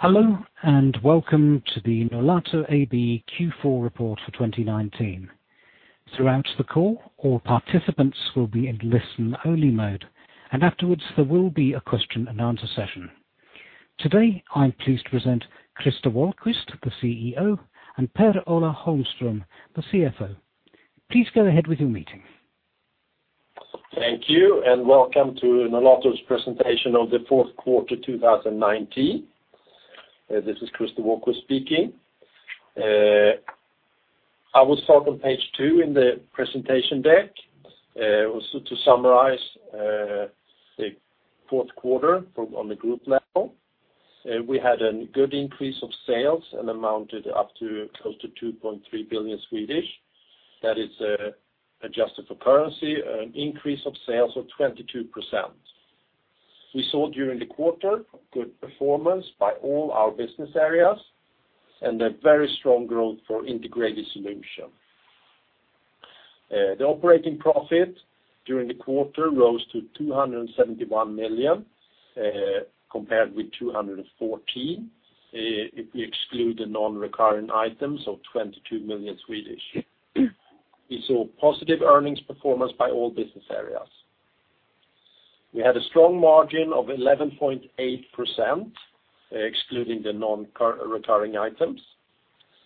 Hello, and welcome to the Nolato AB Q4 report for 2019. Throughout the call, all participants will be in listen-only mode, and afterwards there will be a question and answer session. Today, I'm pleased to present Christer Wahlquist, the CEO, and Per-Ola Holmström, the CFO. Please go ahead with your meeting. Thank you. Welcome to Nolato's presentation of the fourth quarter 2019. This is Christer Wahlquist speaking. I will start on page two in the presentation deck to summarize the fourth quarter on the group level. We had a good increase of sales and amounted up to close to 2.3 billion. That is adjusted for currency, an increase of sales of 22%. We saw during the quarter good performance by all our business areas and a very strong growth for Integrated Solutions. The operating profit during the quarter rose to 271 million, compared with 214, if we exclude the non-recurring items of 22 million. We saw positive earnings performance by all business areas. We had a strong margin of 11.8%, excluding the non-recurring items.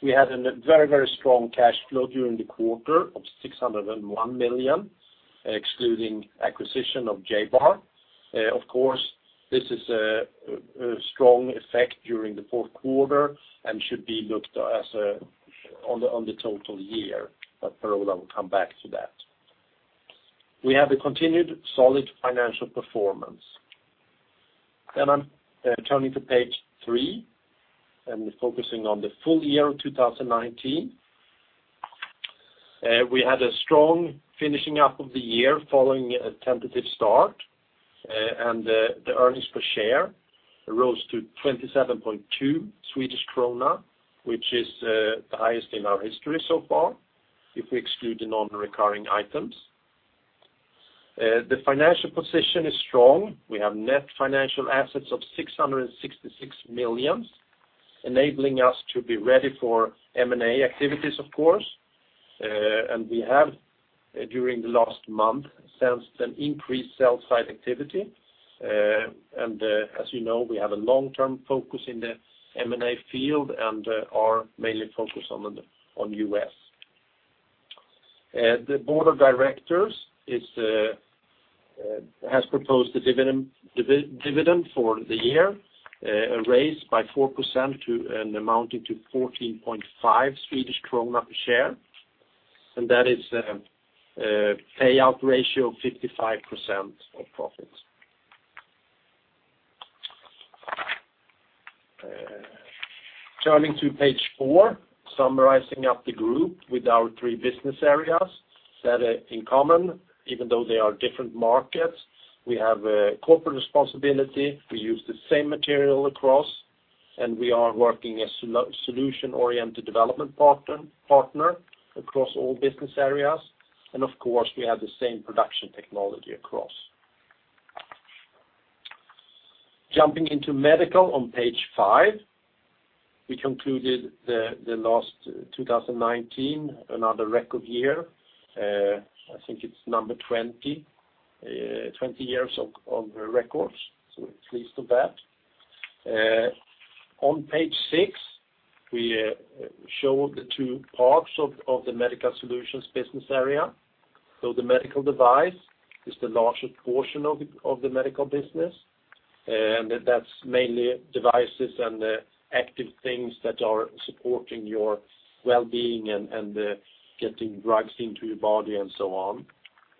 We had a very strong cash flow during the quarter of 601 million, excluding acquisition of Ja-Bar. Of course, this is a strong effect during the fourth quarter and should be looked at on the total year, but Per-Ola will come back to that. We have a continued solid financial performance. I'm turning to page three and focusing on the full year of 2019. We had a strong finishing up of the year following a tentative start. The earnings per share rose to 27.2 Swedish krona, which is the highest in our history so far, if we exclude the non-recurring items. The financial position is strong. We have net financial assets of 666 million, enabling us to be ready for M&A activities, of course. We have, during the last month, sensed an increased sell-side activity. As you know, we have a long-term focus in the M&A field and are mainly focused on the U.S. The board of directors has proposed a dividend for the year, raised by 4% to an amounting to 14.5 Swedish krona per share. That is a payout ratio of 55% of profits. Turning to page four, summarizing up the group with our three business areas that are in common, even though they are different markets, we have a corporate responsibility. We use the same material across. We are working as solution-oriented development partner across all business areas. Of course, we have the same production technology across. Jumping into medical on page five, we concluded the last 2019, another record year. I think it's number 20 years of records, at least of that. On page six, we show the two parts of the Medical Solutions business area. The medical device is the largest portion of the medical business, and that's mainly devices and the active things that are supporting your well-being and getting drugs into your body and so on.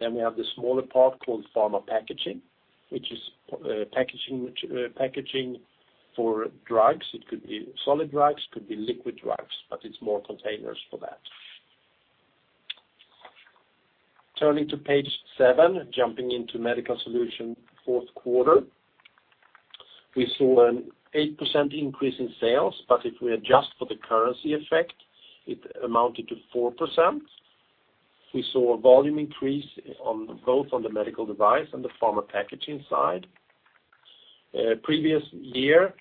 We have the smaller part called pharma packaging, which is packaging for drugs. It could be solid drugs, could be liquid drugs, but it's more containers for that. Turning to page seven, jumping into Medical Solutions fourth quarter, we saw an 8% increase in sales, but if we adjust for the currency effect, it amounted to 4%. We saw a volume increase both on the medical device and the pharma packaging side. Previous year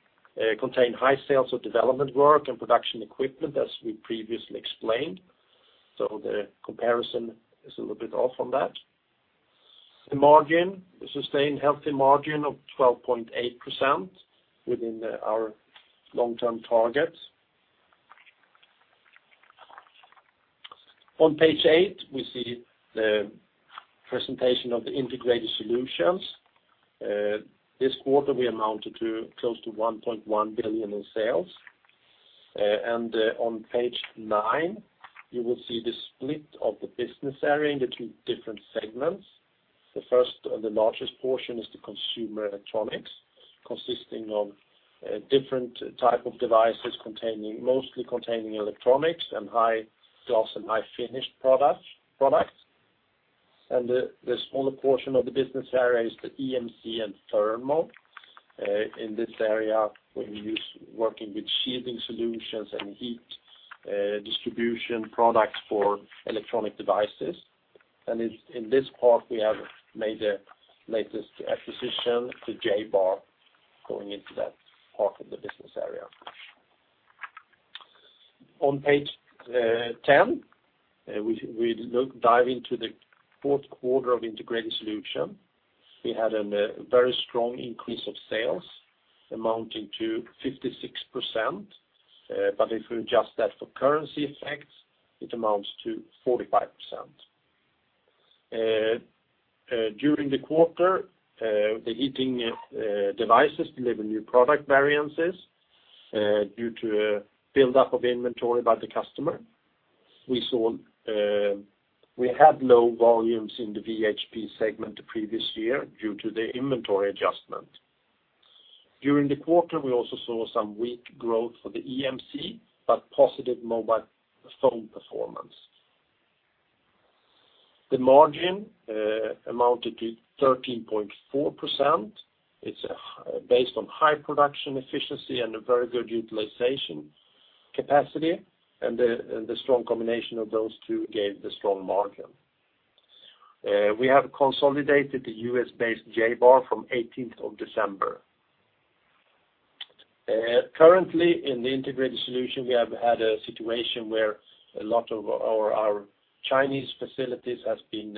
contained high sales of development work and production equipment, as we previously explained. The comparison is a little bit off on that. The margin, the sustained healthy margin of 12.8% within our long-term target. On page eight, we see the presentation of the Integrated Solutions. This quarter, we amounted to close to 1.1 billion in sales. On page nine, you will see the split of the business area into two different segments. The first and the largest portion is the consumer electronics, consisting of different type of devices mostly containing electronics and high gloss and high finished products. The smaller portion of the business area is the EMC and thermal. In this area, we're working with shielding solutions and heat distribution products for electronic devices. In this part, we have made the latest acquisition to Ja-Bar going into that part of the business area. On page 10, we dive into the fourth quarter of Integrated Solutions. We had a very strong increase of sales amounting to 56%, but if we adjust that for currency effects, it amounts to 45%. During the quarter, the heating devices deliver new product variances due to a buildup of inventory by the customer. We had low volumes in the VHP segment the previous year due to the inventory adjustment. During the quarter, we also saw some weak growth for the EMC, but positive mobile phone performance. The margin amounted to 13.4%. It's based on high production efficiency and a very good utilization capacity, and the strong combination of those two gave the strong margin. We have consolidated the U.S. based Ja-Bar from 18th of December. Currently, in the Integrated Solutions, we have had a situation where a lot of our Chinese facilities has been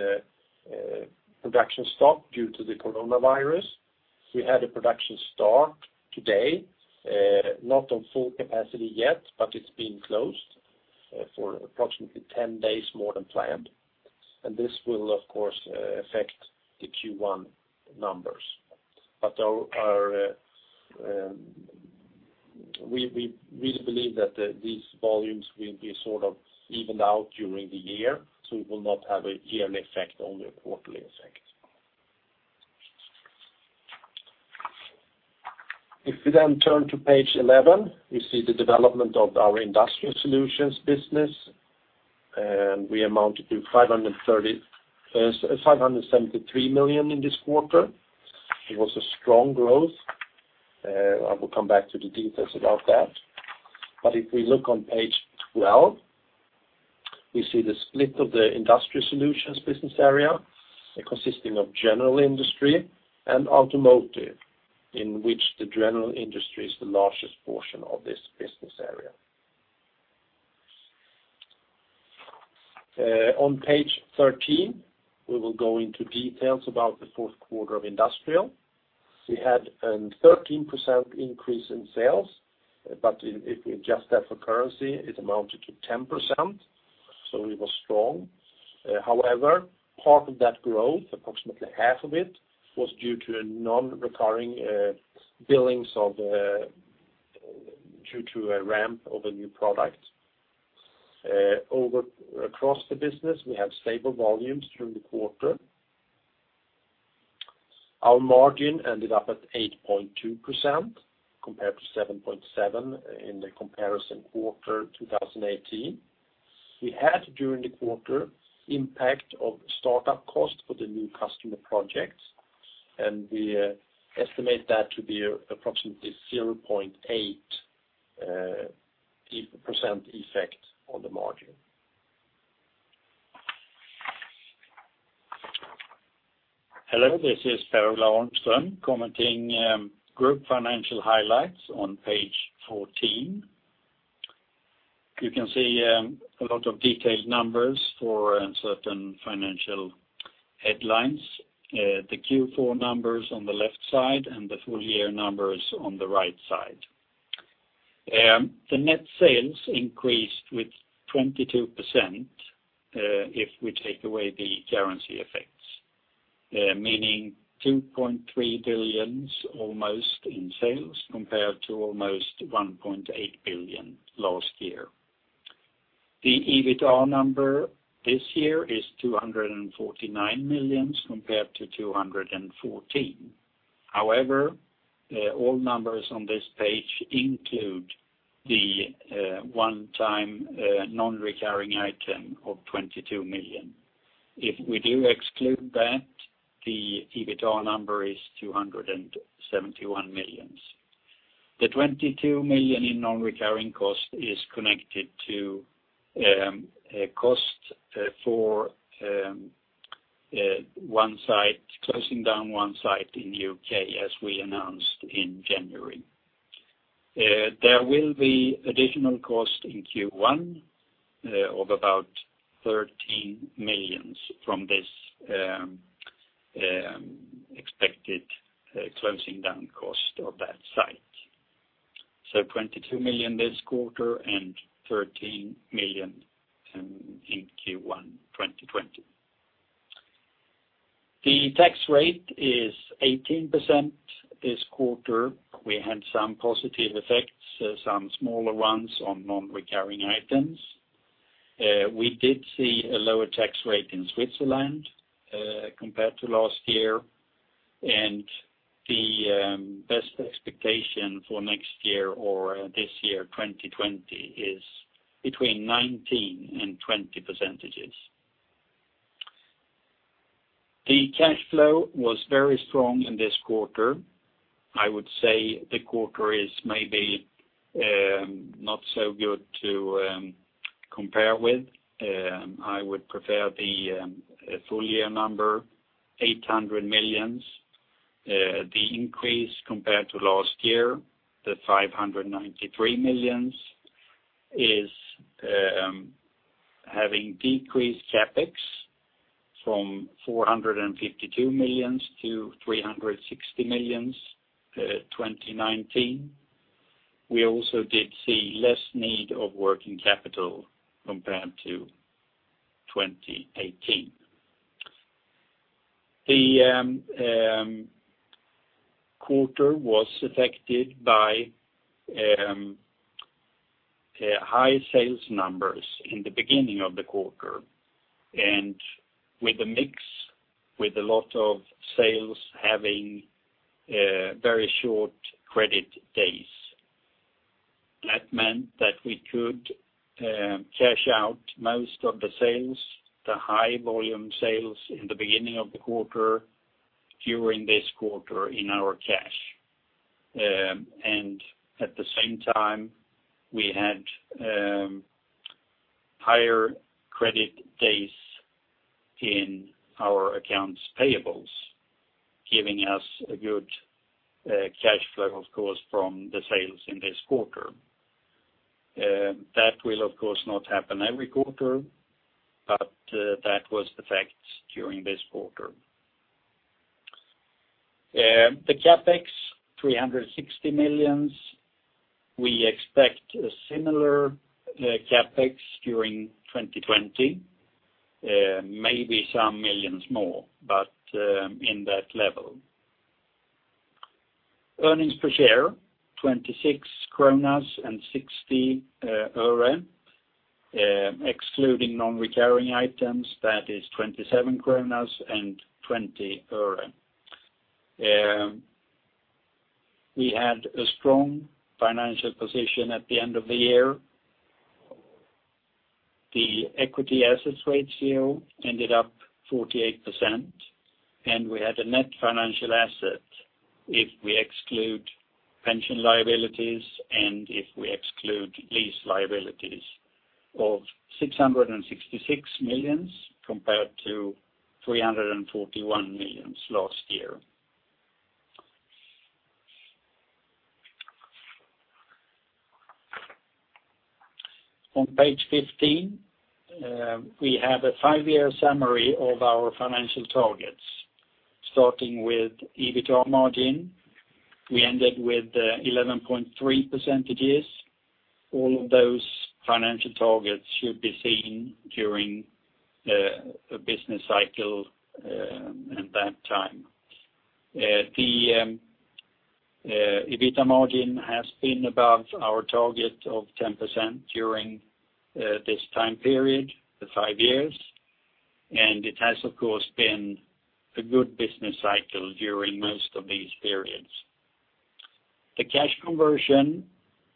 production stop due to the coronavirus. We had a production start today, not on full capacity yet, but it's been closed for approximately 10 days more than planned. This will, of course, affect the Q1 numbers. We really believe that these volumes will be sort of evened out during the year, so it will not have a yearly effect, only a quarterly effect. We turn to page 11, we see the development of our Industrial Solutions business. We amounted to 573 million in this quarter. It was a strong growth. I will come back to the details about that. If we look on page 12, we see the split of the Industrial Solutions business area consisting of general industry and automotive, in which the general industry is the largest portion of this business area. On page 13, we will go into details about the fourth quarter of Industrial Solutions. We had a 13% increase in sales, but if we adjust that for currency, it amounted to 10%, so it was strong. Part of that growth, approximately half of it, was due to a non-recurring billings due to a ramp of a new product. Across the business, we have stable volumes through the quarter. Our margin ended up at 8.2%, compared to 7.7% in the comparison quarter 2018. We had, during the quarter, impact of startup cost for the new customer projects, and we estimate that to be approximately 0.8% effect on the margin. Hello, this is Per-Ola Holmström commenting group financial highlights on page 14. You can see a lot of detailed numbers for certain financial headlines, the Q4 numbers on the left side and the full-year numbers on the right side. The net sales increased with 22% if we take away the currency effects, meaning 2.3 billion almost in sales compared to almost 1.8 billion last year. The EBITA number this year is 249 million compared to 214 million. However, all numbers on this page include the one-time non-recurring item of 22 million. If we do exclude that, the EBITA number is 271 million. The 22 million in non-recurring cost is connected to a cost for closing down one site in the U.K., as we announced in January. There will be additional cost in Q1 of about 13 million from this expected closing down cost of that site. 22 million this quarter and 13 million in Q1 2020. The tax rate is 18% this quarter. We had some positive effects, some smaller ones on non-recurring items. We did see a lower tax rate in Switzerland compared to last year, and the best expectation for next year or this year, 2020, is between 19% and 20%. The cash flow was very strong in this quarter. I would say the quarter is maybe not so good to compare with. I would prefer the full year number, 800 million. The increase compared to last year, 593 million, is having decreased CapEx from 452 million to 360 million, 2019. We also did see less need of working capital compared to 2018. The quarter was affected by high sales numbers in the beginning of the quarter, and with the mix, with a lot of sales having very short credit days. That meant that we could cash out most of the sales, the high volume sales in the beginning of the quarter, during this quarter in our cash. At the same time, we had higher credit days in our accounts payables, giving us a good cash flow, of course, from the sales in this quarter. That will, of course, not happen every quarter, but that was the facts during this quarter. The CapEx, 360 million. We expect a similar CapEx during 2020. Maybe some million more, but in that level. Earnings per share, 26.60 kronor, excluding non-recurring items, that is 27.20 kronor. We had a strong financial position at the end of the year. The equity assets ratio ended up 48%, and we had a net financial asset if we exclude pension liabilities and if we exclude lease liabilities of 666 million compared to 341 million last year. On page 15, we have a five-year summary of our financial targets. Starting with EBITA margin, we ended with 11.3%. All of those financial targets should be seen during a business cycle in that time. The EBITA margin has been above our target of 10% during this time period, the five years, and it has of course been a good business cycle during most of these periods. The cash conversion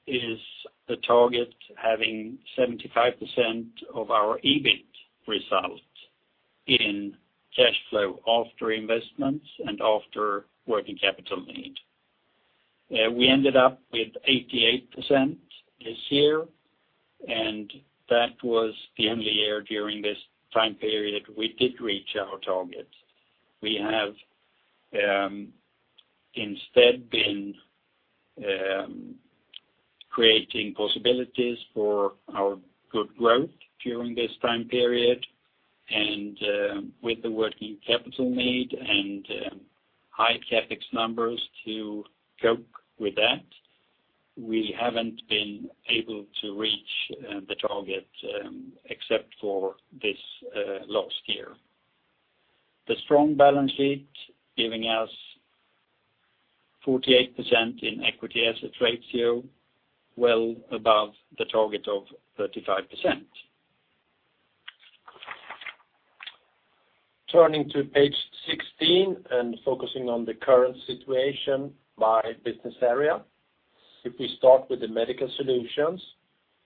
is the target having 75% of our EBIT result in cash flow after investments and after working capital need. We ended up with 88% this year, and that was the only year during this time period we did reach our target. We have instead been creating possibilities for our good growth during this time period and with the working capital need and high CapEx numbers to cope with that. We haven't been able to reach the target except for this last year. The strong balance sheet giving us 48% in equity asset ratio, well above the target of 35%. Turning to page 16 and focusing on the current situation by business area. If we start with the Medical Solutions,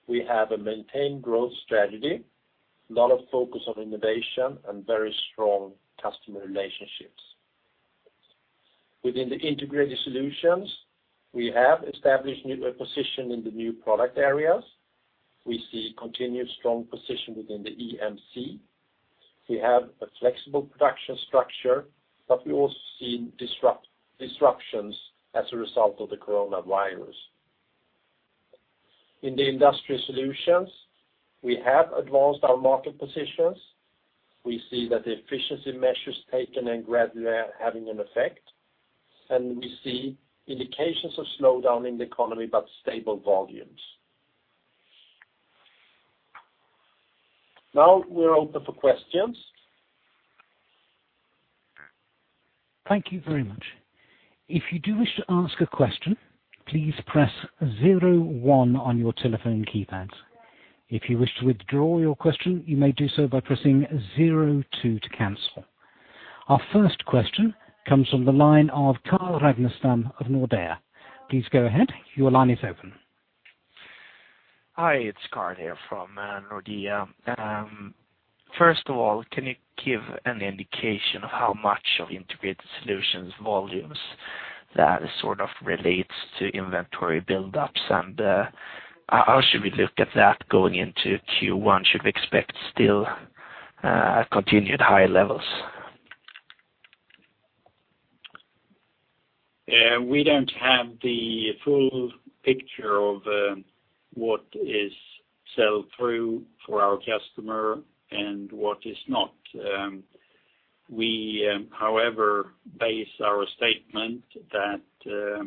we have a maintained growth strategy, a lot of focus on innovation and very strong customer relationships. Within the Integrated Solutions, we have established a position in the new product areas. We see continued strong position within the EMC. We have a flexible production structure, but we also see disruptions as a result of the coronavirus. In the Industrial Solutions, we have advanced our market positions. We see that the efficiency measures taken are gradually having an effect, and we see indications of slowdown in the economy, but stable volumes. Now we're open for questions. Thank you very much. If you do wish to ask a question, please press zero one on your telephone keypads. If you wish to withdraw your question, you may do so by pressing zero two to cancel. Our first question comes from the line of Carl Ragnerstam of Nordea. Please go ahead. Your line is open Hi, it's Carl here from Nordea. First of all, can you give an indication of how much of Integrated Solutions volumes that sort of relates to inventory buildups, and how should we look at that going into Q1? Should we expect still continued high levels? We don't have the full picture of what is sell through for our customer and what is not. We, however, base our statement that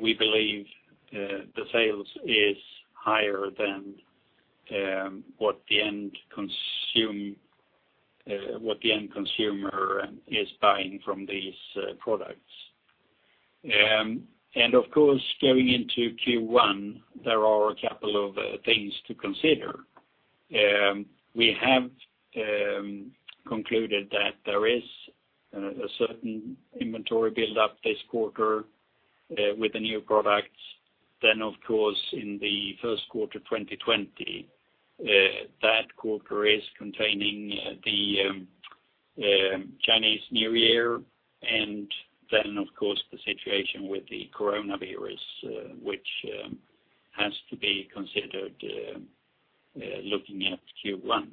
we believe the sales is higher than what the end consumer is buying from these products. Of course, going into Q1, there are a couple of things to consider. We have concluded that there is a certain inventory buildup this quarter with the new products. Of course, in the first quarter 2020, that quarter is containing the Chinese New Year, and then of course the situation with the coronavirus, which has to be considered looking at Q1.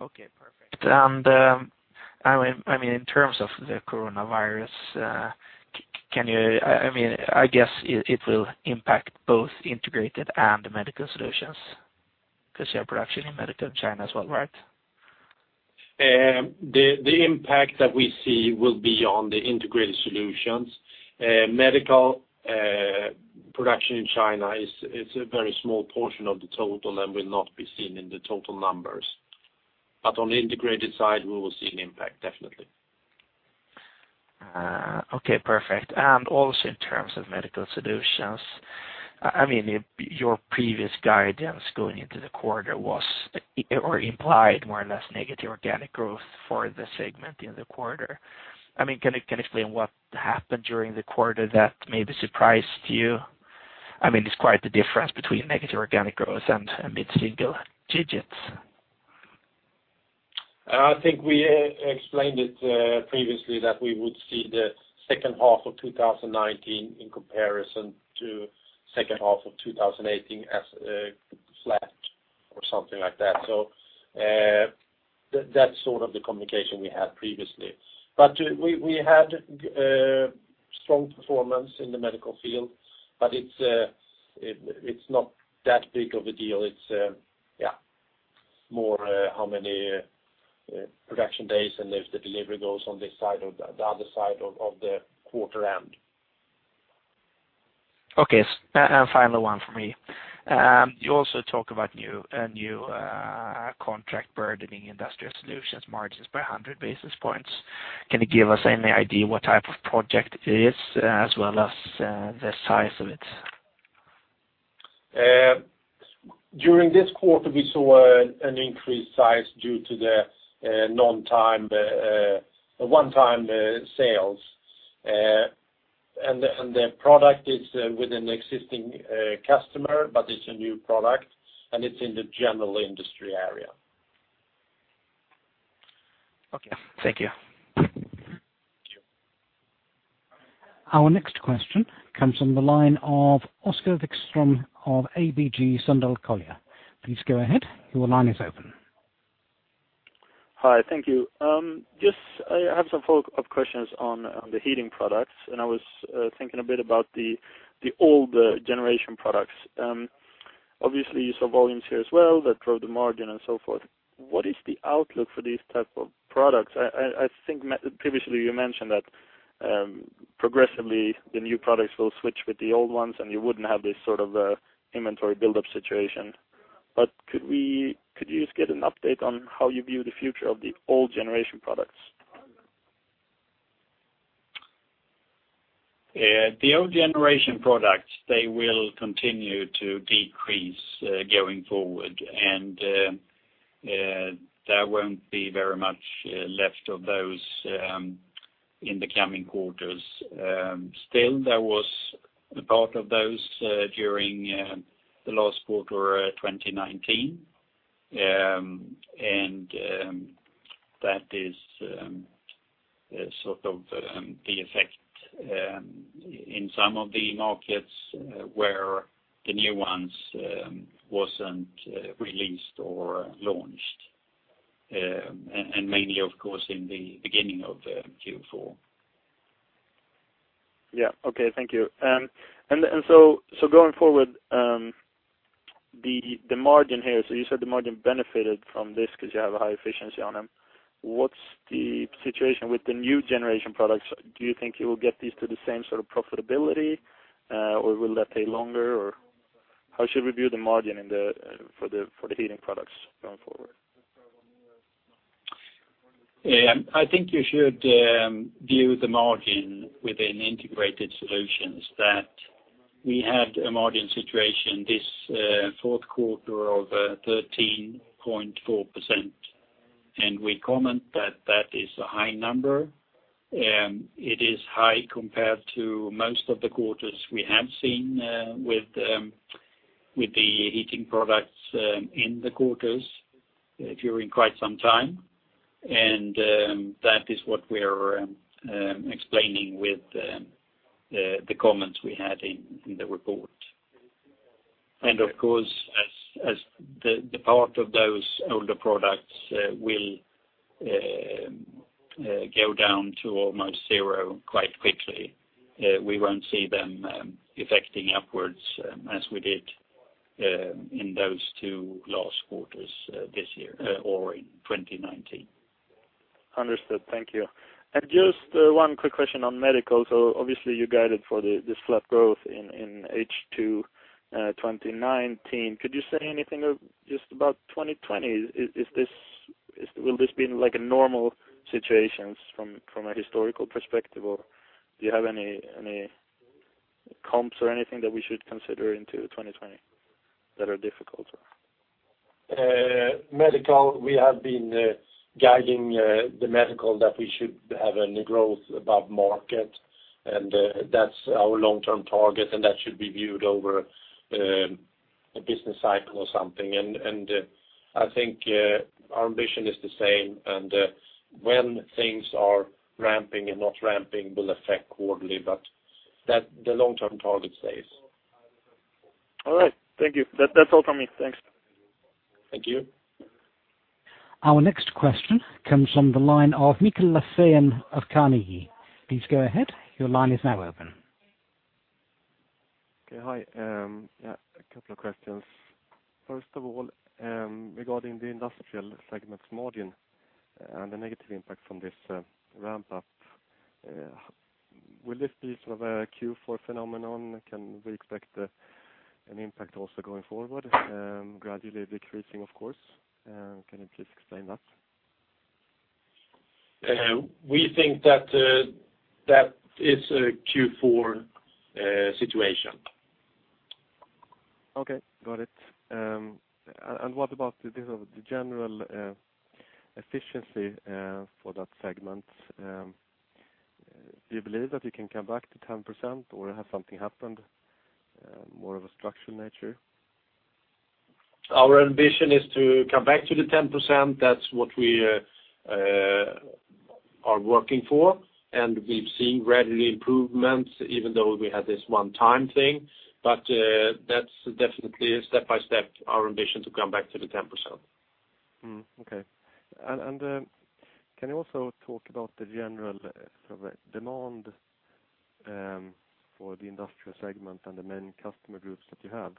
Okay, perfect. In terms of the coronavirus, I guess it will impact both Integrated Solutions and Medical Solutions because you have production in medical in China as well, right? The impact that we see will be on the Integrated Solutions. Medical production in China is a very small portion of the total and will not be seen in the total numbers. On the integrated side, we will see an impact definitely. Okay, perfect. Also in terms of Medical Solutions, your previous guidance going into the quarter implied more or less negative organic growth for the segment in the quarter. Can you explain what happened during the quarter that maybe surprised you? It's quite the difference between negative organic growth and mid-single digits. I think we explained it previously that we would see the second half of 2019 in comparison to second half of 2018 as flat or something like that. That's sort of the communication we had previously. We had strong performance in the Medical Solutions, but it's not that big of a deal. It's more how many production days and if the delivery goes on this side or the other side of the quarter end. Okay. Final one from me. You also talk about a new contract burdening Industrial Solutions margins by 100 basis points. Can you give us any idea what type of project it is as well as the size of it? During this quarter, we saw an increased size due to the one-time sales. The product is with an existing customer, but it's a new product, and it's in the general industry area. Okay. Thank you. Thank you. Our next question comes from the line of Oskar Wikström of ABG Sundal Collier. Please go ahead. Your line is open. Hi, thank you. Just, I have some follow-up questions on the heating products, and I was thinking a bit about the old generation products. Obviously you saw volumes here as well that drove the margin and so forth. What is the outlook for these type of products? I think previously you mentioned that progressively the new products will switch with the old ones and you wouldn't have this sort of inventory buildup situation. Could we just get an update on how you view the future of the old generation products? The old generation products, they will continue to decrease going forward. There won't be very much left of those in the coming quarters. Still, there was a part of those during the last quarter 2019. That is sort of the effect in some of the markets where the new ones wasn't released or launched, mainly of course in the beginning of Q4. Yeah. Okay, thank you. Going forward, the margin here, so you said the margin benefited from this because you have a high efficiency on them. What's the situation with the new generation products? Do you think you will get these to the same sort of profitability, or will that take longer? How should we view the margin for the heating products going forward? I think you should view the margin within Integrated Solutions. We had a margin situation this fourth quarter of 13.4%, we comment that that is a high number. It is high compared to most of the quarters we have seen with the heating products in the quarters during quite some time. That is what we're explaining with the comments we had in the report. Of course, as the part of those older products will go down to almost zero quite quickly, we won't see them affecting upwards as we did in those two last quarters this year or in 2019. Understood. Thank you. Just one quick question on Medical Solutions. Obviously you guided for this flat growth in H2 2019. Could you say anything just about 2020? Will this be like a normal situation from a historical perspective, or do you have any comps or anything that we should consider into 2020 that are difficult? Medical, we have been guiding the medical that we should have a growth above market, and that's our long-term target, and that should be viewed over a business cycle or something. I think our ambition is the same, and when things are ramping and not ramping will affect quarterly, but the long-term target stays. All right. Thank you. That's all from me. Thanks. Thank you. Our next question comes from the line of Mikael Laséen of Carnegie. Please go ahead. Your line is now open. Okay. Hi. A couple of questions. First of all, regarding the industrial segment's margin and the negative impact from this ramp-up, will this be sort of a Q4 phenomenon? Can we expect an impact also going forward, gradually decreasing, of course? Can you please explain that? We think that is a Q4 situation. Okay, got it. What about the general efficiency for that segment? Do you believe that you can come back to 10%, or has something happened more of a structural nature? Our ambition is to come back to the 10%. That's what we are working for. We've seen gradual improvements even though we had this one-time thing. That's definitely step by step our ambition to come back to the 10%. Okay. Can you also talk about the general demand for the Industrial segment and the main customer groups that you have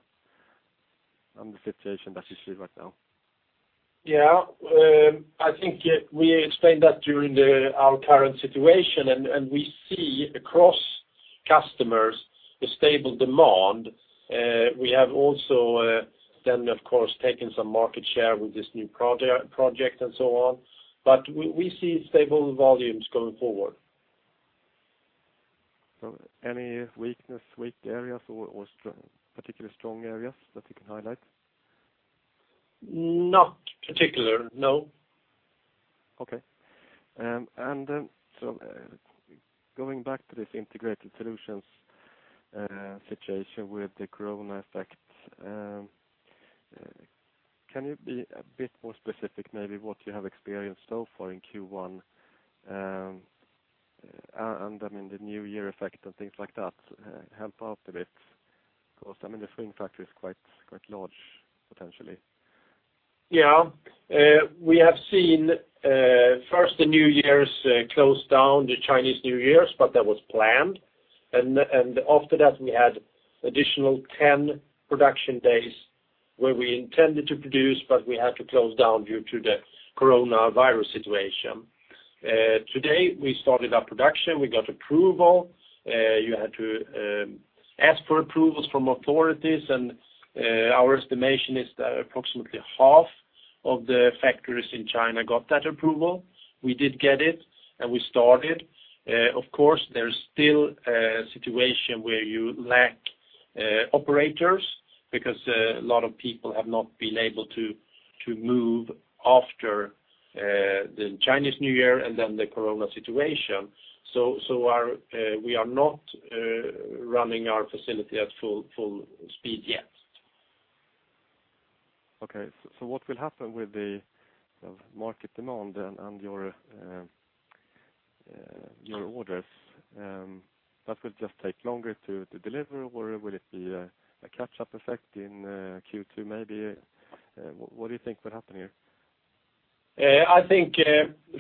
and the situation that you see right now? Yeah. I think we explained that during our current situation, and we see across customers a stable demand. We have also then, of course, taken some market share with this new project and so on. We see stable volumes going forward. Any weakness, weak areas or particular strong areas that you can highlight? Not particular, no. Okay. Going back to this Integrated Solutions situation with the coronavirus effect, can you be a bit more specific maybe what you have experienced so far in Q1? The new year effect and things like that, help out a bit because the swing factor is quite large potentially. Yeah. We have seen first the New Year's close down, the Chinese New Year's. That was planned. After that, we had additional 10 production days where we intended to produce, but we had to close down due to the coronavirus situation. Today, we started our production. We got approval. You had to ask for approvals from authorities. Our estimation is that approximately half of the factories in China got that approval. We did get it. We started. Of course, there's still a situation where you lack operators because a lot of people have not been able to move after the Chinese New Year and then the corona situation. We are not running our facility at full speed yet. Okay, what will happen with the market demand and your orders? That will just take longer to deliver, or will it be a catch-up effect in Q2 maybe? What do you think will happen here? I think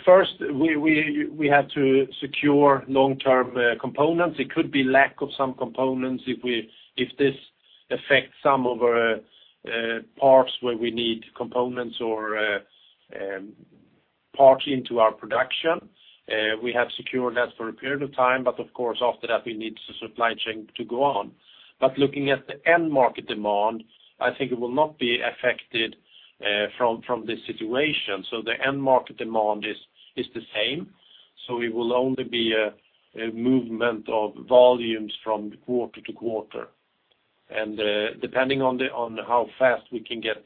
first we have to secure long-term components. It could be lack of some components if this affects some of our parts where we need components or parts into our production. We have secured that for a period of time, of course, after that, we need the supply chain to go on. Looking at the end market demand, I think it will not be affected from this situation. The end market demand is the same. It will only be a movement of volumes from quarter to quarter. Depending on how fast we can get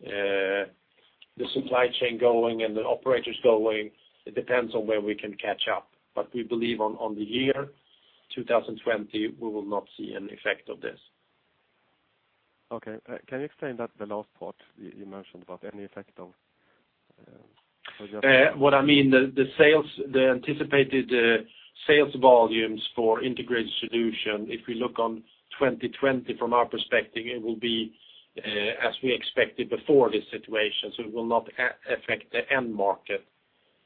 the supply chain going and the operators going, it depends on where we can catch up. We believe on the year 2020, we will not see an effect of this. Okay. Can you explain that, the last part you mentioned about any effect of project? What I mean, the anticipated sales volumes for Integrated Solutions, if we look on 2020 from our perspective, it will be as we expected before this situation. It will not affect the end market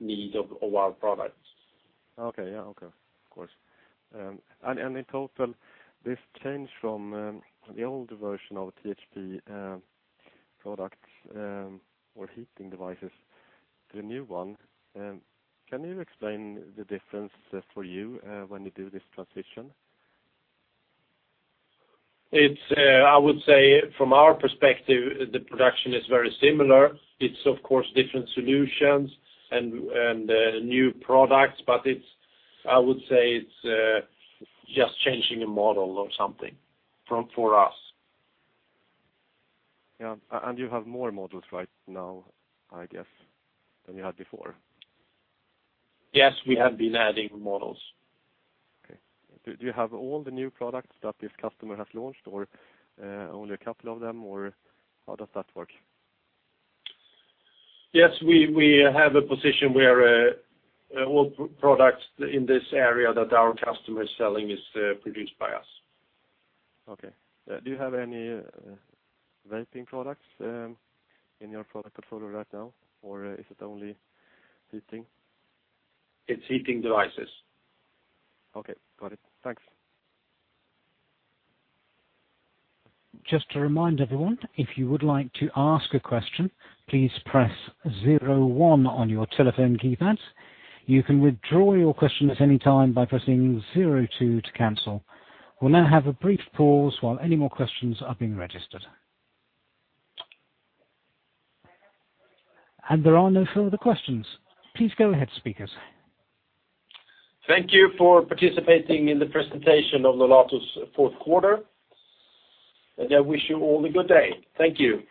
need of our products. Okay. Yeah. Okay. Of course. In total, this change from the old version of THP products or heating devices to the new one, can you explain the difference for you when you do this transition? I would say from our perspective, the production is very similar. It's of course different solutions and new products, but I would say it's just changing a model or something for us. Yeah. You have more models right now, I guess, than you had before? Yes, we have been adding models. Okay. Do you have all the new products that this customer has launched, or only a couple of them, or how does that work? Yes, we have a position where all products in this area that our customer is selling is produced by us. Okay. Do you have any vaping products in your product portfolio right now, or is it only heating? It's heating devices. Okay. Got it. Thanks. Just to remind everyone, if you would like to ask a question, please press zero one on your telephone keypad. You can withdraw your question at any time by pressing zero two to cancel. We'll now have a brief pause while any more questions are being registered. There are no further questions. Please go ahead, speakers. Thank you for participating in the presentation of Nolato's fourth quarter. I wish you all a good day. Thank you.